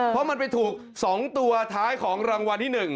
เพราะมันไปถูก๒ตัวท้ายของรางวัลที่๑